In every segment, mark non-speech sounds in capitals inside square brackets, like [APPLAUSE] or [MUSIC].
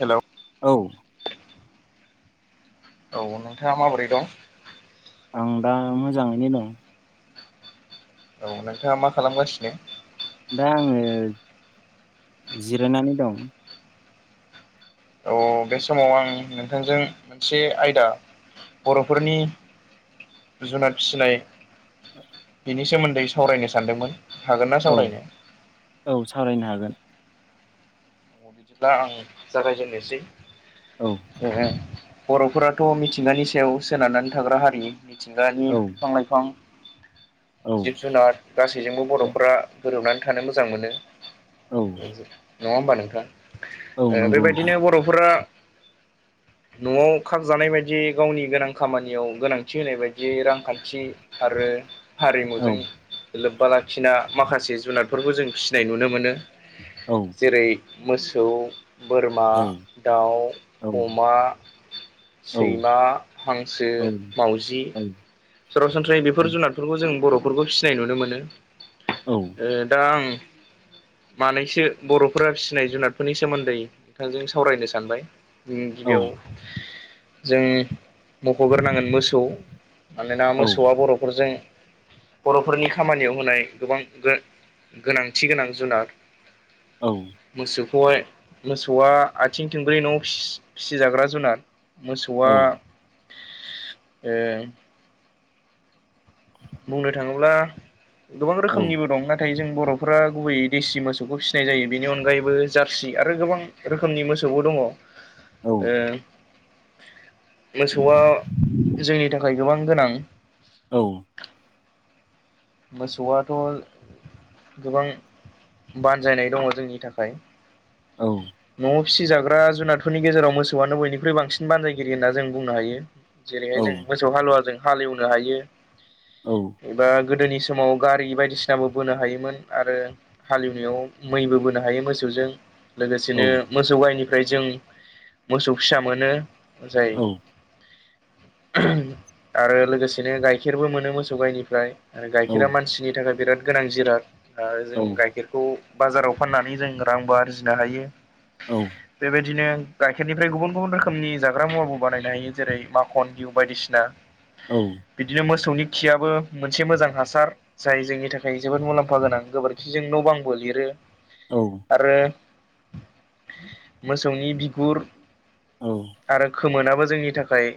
Hello औ औ नोंथाङा माबोरै दं आं दा मोजाङैनो दं औ नोंथाङा मा खालामगासिनो दा आङो जिरायनानै दं औ बे समाव आं नोंथांजों मोनसे आयदा बर'फोरनि जुनाद फिसिनाय औ बिनि सोमोन्दै सावरायनो सानदोंमोन हागोनना औ सावरायनो औ सावरायनो हागोन बिदिब्ला आं जागायजेननोसै। औ बर'फोराथ' मिथिंगानि सायाव सोनारनानै थाग्रा हारि मिथिंगानि औ बिफां लाइफां औ जिब जुनार गासैजोंबो बर'फोरा गोरोबनानै थानो मोजां मोनो औ नङा होमबा औ नोंथाङ नंगौ नोंथां बेबायदिनो बर'फोरा [UNINTELLIGIBLE] न'आव खाबजानाय बायदियै गावनि गोनां खामानियाव गोनांथि होनाय बायदियै रांखान्थि आरो औ हारिमुजों लोब्बा लाखिना माखासे जुनादफोरखौ जों फिसिनाय नुनो मोनो औ जेरै मोसौ बोरमा औ दाउ औ अमा औ सैमा हांसो औ मावजि औ सरासनस्रायै बेफोर जुनादफोरखौ जों बर'फोरखौ फिसिनाय नुनो मोनो औ दा आं मानैसो बर'फोरा फनाय जुनादफोरनि सोमोन्दै नोंथजों सावरायनो सानबाय औ गिबियाव जों मख'ग्रोनांगोन मोसौ मानोना औ मोसौआ बर'फोरजों बर'फोरनि खामानियाव होनाय गोबां गोनांथि गोनां जुनार। औ मोसौखौहाय मोसौआ आथिं थंब्रै न' फिसिजाग्रा जुनार औ मोसौआ बुंनो थाङोब्ला गोबां रोखोमनिबो औ दं नाथाय जों बर' [UNINTELLIGIBLE] गुबैयै देसि मोसौखौ फिसिनाय जायो बेनि अनगायैबो जारसि आरो गोबां रोखोमनि मोसौबो दङ। औ मोसौआ जोंनि थाखाय गोबां गोनां। औ मोसौआथ' गोबां बानजायनाय दङ जोंनि थाखाय औ औ न'आव फिसिजाग्रा जुनादफोरनि गेजेराव मोसौआनो बयनिख्रुइ बांसिन बानजायगिरि होनना जों बुंनो हायो। औ जेरैहाय जों मोसौ हालुवाजों हालेवनो हायो। औ एबा गोदोनि समाव गारि बायदिसिनाबो बोनो हायोमोन आरो। हालेवनायाव मैबो बोनो हायो मोसौजों। लोगोसेनो मोसौ गाइनिफ्राय जों मोसौ फिसा मोनो जाय उम आरो लोगोसेनो गाइखेरबो मोनो मोसौ गाइनिफ्राय आरो गाइखेरा मानसिनि थाखाय बिराद गोनां जिराद आं आरो जों गाइखेरखौ बाजाराव फाननानै जों रांबो आरजिनो हायो औ बेबायदिनो गाइखेरनिफ्राय गुबुन गुबुन रोखोमनि जाग्रा मुवाबो बानायनो हायो जेरै माखन गिहु बायदिसिना औ बिदिनो मोसौनि खिआबो मोनसे मोजां हासार जाय जोंनि थाखाय जोबोद मुलाम्फा गोनां गोबोरखिजों न' बांबो लिरो औ आरो मोसौनि बिगुर औ आरो खोमोनाबो जोंनि थाखाय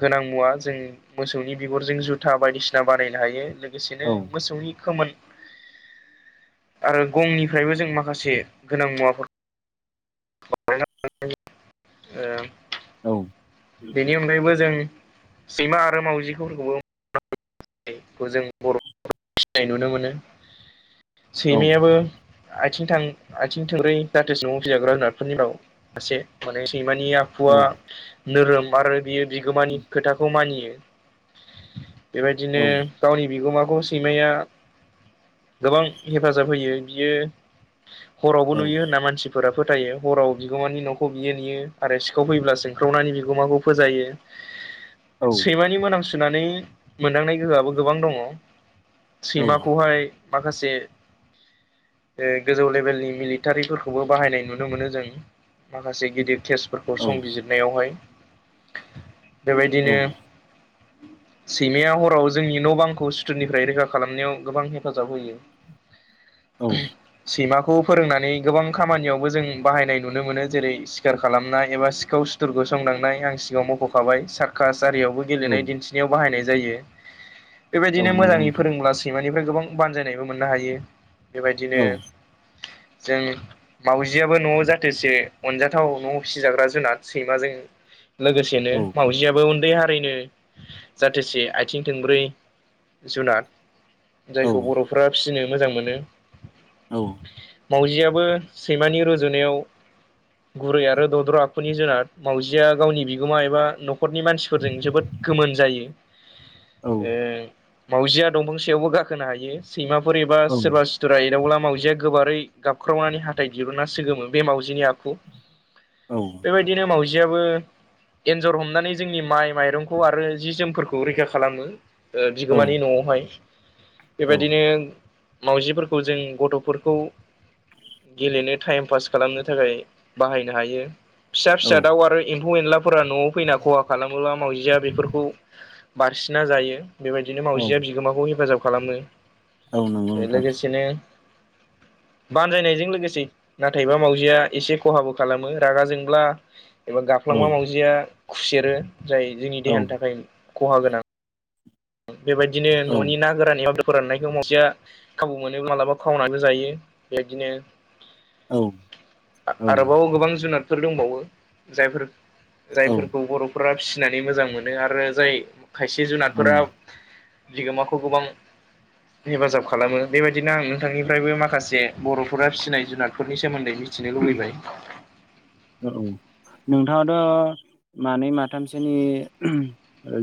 गोनां मुवा जों मोसौनि बिगुरजों जुथा बायदिसिना बानायनो हायो जो एसेनो मोसौनि खोमोन आरो गंनिफ्रायबो जों माखासे गोनां मुवाफोरखो ए [UNINTELLIGIBLE] औ बेनि अनगायैबो जों सैमा आरो मावजिफोरखौबो जों बर'फोरखौ फिनाय नुनो मोनो सैमायाबो आथिं थां आथिं थोंब्रै जाथोसे न'आव फैजिग्रा जुनारफोरनि माद मासे माने सैमानि आखुआ नोरोम आरो बियो बिगोमानि खोथाखौ मानियो बेबादिनो गावनि बिगोमाखौ सैमाया गोबां हेफाजाब होयो बियो हरावबो औ नुयो होनना मानसि फोरा फोथायो हराव बिगोमानि न'खौ बियो नेयो आरो सिखाव फैब्ला सोंख्रावनानै बिगोमाखौ फोजायो [INAUDIBLE] सैमानि मोनाम सुनानै मोनदांनाय गोहोआबो गोबां दङ औ सैमाखौहाय माखासे ओ गोजौ लेभेलनि मिलिटारिफोरखौबो बाहायनाय नुनो मोनो जों माखासे गिदिर केसफोरखौ औ संबिजिरनायावहाय औ बेबायदिनो सैमाया हराव जोंनि न'बांखौ सुथुरनिफ्राय रोखा खालामनायाव गोबां हेफाजाब होयो औ ओह सैमा खौबो फोरोंनानै गोबां खामानिआवबो जों बाहायनाय नुनो मोनो जेरै सिखार खालामनाय एबा सिखाव सो फोरखौ संदांनाय आं सिगांआव मख'खाबाय सारकास आरिआवबो औ गेलेनाय दिन्थिनायाव बाहायनाय जायो औ बेबायदिनो नंगौ मोजाङै नोंथां फोरोंब्लासो सै सैमानिफ्राय गोबां बानजायनायबो मोननो हायो बेबायदिनो औ उह जों मावजिआबो न'आव जाथोसे अनजाथाव न'आव फिसिजाग्रा जुनाद सैमाजों लोगोसेनो औ मावाउजिआबो उन्दै हारिनो जाथेसे आथिं थंब्रै जुनाद औ जायखौ बर'फ्रा फिनो मोजां मोनो औ मावजिआबो सैमानि रुजुनायाव गुरै आरो दद्र' आखुनि जुनाद मावजिआ गावनि बिगोमा एबा नखर न'खरनि मानसिफोरजों जोबोद गोमोन जायो ओ मावउजिआ दंफांसायावबो गाखोनो हायो सैमाफोर एबा औ सोरबा सि सुथुरा एदावब्ला मावजिआ गोबारै गाबख्रावनानै हाथाइ दिरुनना सोगोमो बे मावजिनि आखु औ बेबायदिनो मावजिआबो एन्जर हमनानै जोंनि माइ माइरंखौ आरो जि जोमफोरखौ खौ रैखा खालामो ओ बिगोमानि न'आवहाय औ बेबायदिनो मावउजिफोरखौ जों गथ'फोरखौ गेलेनो टाइम पास खालामनो थाखाय बाहायनो हायो। फिसा फिसा दाउ औ आरो एम्फौ एनलाफोरा न'आव फैना खहा खालामोब्ला मावजिया बेफोरखौ बारसिन्ना जायो बेबायदिनो मावजिया बिगोमाखौ हेफाजाब खालामो। औ नंगौ नोंथां लोगोसेनो बानजायनायजों लोगोसे नाथायबा मावजिया एसे खहाबो खालामो। रागा जोंब्ला एबा औ गाफ्लांबा मावजिया खुसेरो जाय जोंनि औ देहानि थाखाय खहा गोनां। बेबायदिनो औ न'नि ना गोरान्नायाव दं फोराननायखौ मावसेया खाबु मोनो मालाबा खावनानै जायो बेबायदिनो औ औ आरोबाव गोबां जुनादफोर दंबावो जायफोर जायफोरखौ बर' फोरा फिसिनानै मोजां मोनो आरो जाय खायसे जुनारफोरा बिगोमाखौ गोबां हेफाजाब खालामो, बेबायदिनो आं नोंथांनिफ्रायबो माखासे बर'फोरा फिसिनाय जुनादफोरनि सोमोन्दै मिथिनो लुबैबाय। औ नोंथाङाथ' मानै माथामसोनि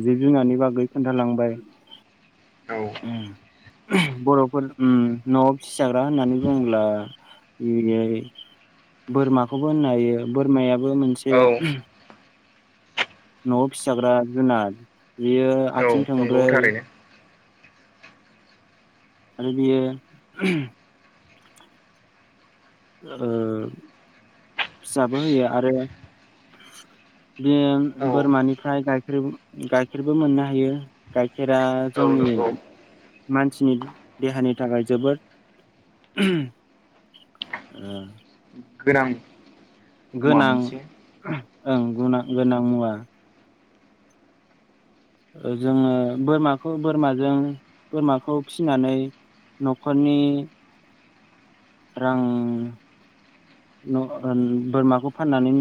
जिब जुनारनि बागै खोन्थालांबाय। औ ओम बर'फोर ओम न'आव फिसिजाग्रा होननानै बुङोब्ला जेरै बोरमाखौबो होननो हायो बोरमायाबो औ मोनसे न'आव फिजाग्रा जुनार बेयो औ आथिं नंगौ थोंब्रै। थारैनो आरो बियो ओ फिसाबो होयो आरो बे औ बोरमानिफ्राय गायखेर गाइखेरबो मोननो हायो गाइखेरा औ जोंनि नंगौ मानसिनि देहानि थाखाय जोबोद ओ गोनां मुवा गोनां मोनसे ओं गोनां गोनां मुवा। ओ जोङो बोरमाखौ बोरमाजों बोरमाखौ फिनानै न'खरनि रां बोरमाखौ फाननानै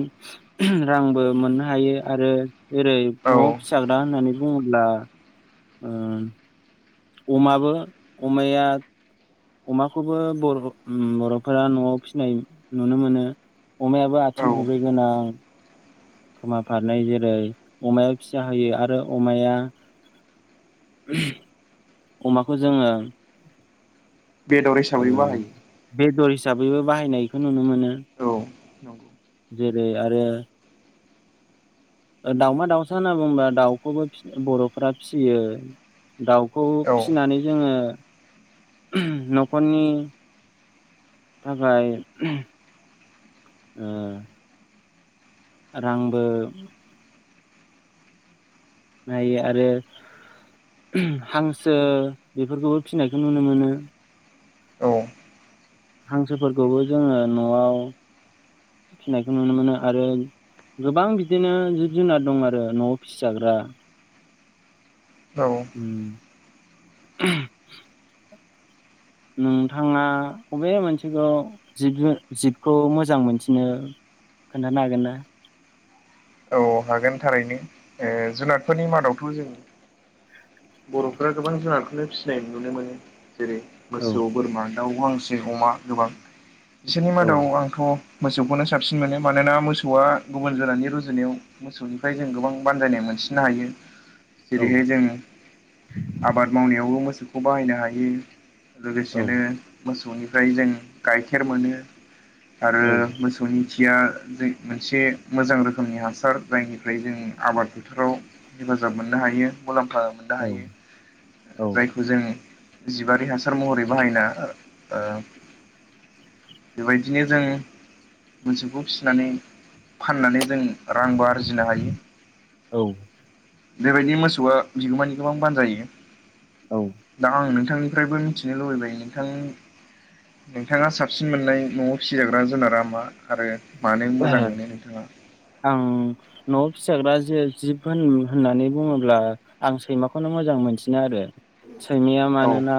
रांबो मोननो हायो आरो ओेरै औ न'आव फिसाग्रा होननानै बुङोब्ला ओ अमाबो अमाया अमाखौबो बर बर'फोरा न'आव फिसिनाय नुनो मोनो। अमायाबो औ आथिं थोंब्रै गोनां खोमा फारनै जेरै अमाया फिसा होयो आरो अमाया [UNINTELLIGIBLE] अमाखौ जोङो बेदर ओ हिसाबै बाहायो। बेदर हिसाबैबो बाहायनायखौ नुनो मोनो। औ नंगौ जेरै आरो दाउमा दाउसा होनना बुंबा दाउखौबो बर'फोरा फिसियो। दाउखौ औ फिसिनानै जोङो न'खरनि थाखाय ओ रांबो नायो आरो हांसो बेफोरखौबो फिनायखौ नुनो मोनो। औ। हांसोफोरखौबो जोङो न'आव फिनायखौ नुनो मोनो आरो गोबां बिदिनो जिब जुनार दं आरो न'आव फिसिजाग्रा औ। उम नोंथाङा बबे मोनसेखौ जिब जिबखौ मोजां मोनसिनो? खोन्थानो हागोन ना? औ हागोन थारैनो ओ जुनादफोरनि मादावथ' जों बर'फोरा गोबां जुनारखौनो फिसिनाय नुनो मोनो जेरै औ मोसौ बोरमा दाउ गांसे अमा गोबां बिसोरनि औ मादाव आं थ' मोसौखौनो साबसिन मोनो मानोना मोसौआ गुबुन जुनादनि गुजुनायाव मोसौनिफ्राय जों गोबां बानजायनाय मोनसिनो हायो औ जेरैहाय जों आबाद मावनायावबो मोसौखौ बाहायनो हायो औ लोगोसेनो मोसौनिफ्राय जों गाइखेर मोनो आरो औ मोस मोनथिया जे मोनसे मोजां रोख रोखोमनि हासार जायनिफ्राय जों आबाद फोथाराव हेफाजाब मोननो हायो मुलाम्फा मोन दा हायो औ जाय जों जिबारि हासार महरै बाहायना ओ बेबायदिनो जों मोसौखौ फिसिनानै फाननानै जों रांबो आरजिनो हायो। औ बेबायदि मोसौआ बिगोमानि गोबां बानजायो। औ दा आं नोंथांनिफ्रायबो मिथिनो लुबैबाय नोंथां नोंथाङा साबसिन मोननाय न'आव फिसिजाग्रा जुनारा मा आरो मानो मोजां ओ मोनो नोंथाङा? आं न'आव फिसाग्रा जे जिब होन होननानै बुङोब्ला आं सैमाखौनो मोजां मोनसिनो आरो सैमाया औ मानोना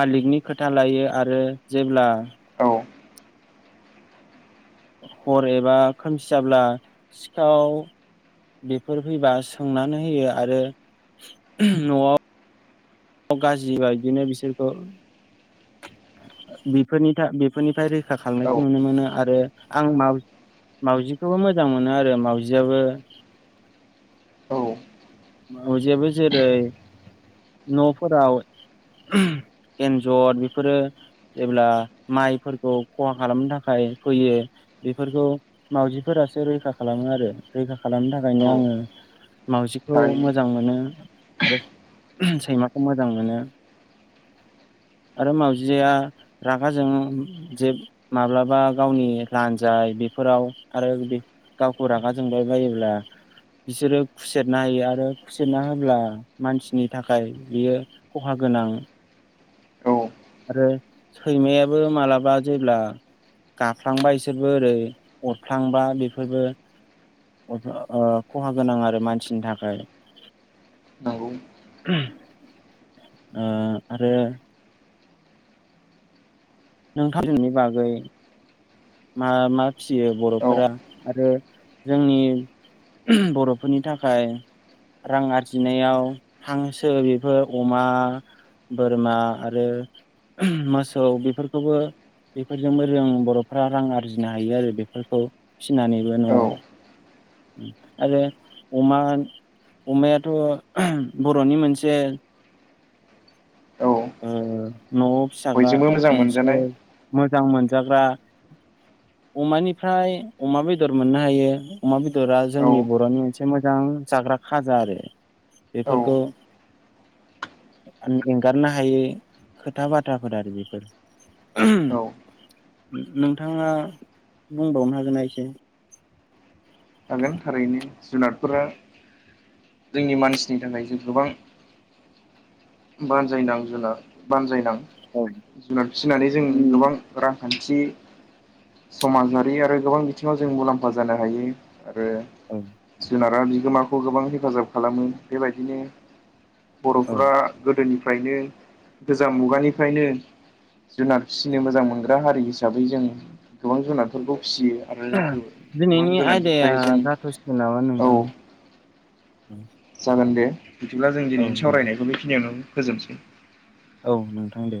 मालिकनि खोथा लायो आरो जेब्ला औ हर एबा खोमसि जाब्ला सिखाव बेफोर फैबा सोंनानै होयो आरो न'आव गाज्रिबा बिदिनो बिसोरखौ बेफोरनि बेफोरनिफ्राय रैखा खालामनायखौ औ नुनो मोनो आरो आं माव मावजिखौबो मोजां मोनो आरो मावजियाबो मावजियाबो जेरै न'फोराव एन्जर बेफोरो जेब्ला माइफोरखौ खहा खालामनो थाखाय फैयो बेफोरखौ मावाउजिफोरासो रैखा खालामो आरो रैखा खालामनो थाखायनो औ आङो माउजिखौ मोजां थारैनो मोनो आरो सैमाखौ मोजां मोनो आरो माउजिया रागाजों जे माब्लाबा गावनि लानजाय बेफोराव आरो गावखौ रागा जोंबाय बायोब्ला बिसोरो खुसेरना होयो आरो खुसेरना होब्ला मानसिनि थाखाय बियो खहा गोनां औ आरो सैमायाबो मालाबा जेब्ला गाफ्लांबा इसोरबो ओरै अरफ्लांबा बेफोरबो ओ खहा गोनां आरो मानसिनि थाखाय नंगौ ओ आरो नोंथांमोननि बागै मा मा फियो औ बर'फोरा आरो जोंनि बर'फोरनि थाखाय रां आरजिनायाव हांसो बेफोर अमा बोरमा आरो मोसौ बेफोरखौ बे खौबो बेफोरजोंबो रों बर'फ्रा रां आरजिनो हायो आरो बेफोरखौ फिनानैबो औ न'आव आरो अमा अमायाथ' ओ बर'नि मोनसे औ ओ न'आव फिसाग्रा बयजोंबो मोजां मोनसे मोनजानाय मोजां मोनजाग्रा अमानिफ्राय अमा बेदर मोननो हायो अमा बेदरा औ जोंनि बर'नि मोनसे मोजां जाग्रा खाजा आरो बेफोरखौ औ एंगारनो हायो खोथा बाथ्राफोर आरो बेफोर ओम नोंथाङा बुंबावनो हागोना एसे थागोन थारैनो जुनारफोरा जोंनि मानसिनि थाखाय जों गोबां बानजायनां जुनाद बानजायनां औ जुनाद फिनानै जों गोबां रांखान्थि समाजारि आरो गोबां बिथिङाव जों मुलाम्फा जानो हायो आरो औ जुनारा बिगोमाखौ गोबां हेफाजाब खालामो बेबायदिनो औ बर'फ्रा गोदोनिफ्रायनो गोजाम मुगानिफ्रायनो जुनार फिसिनो मोजां मोनग्रा हारि हिसाबै जों गोबां जुनारफोरखौ फिसियो आरो गोबां गोनांथि दा जाथ'सिगोन नामा नोंथां जागोन दे बिदिब्ला जों औ दिनैनि दे सावरायनायखौ बेखिनियावनो फोजोबसै औ नोंथां दे